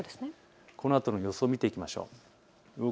このあとの予想を見ていきましょう。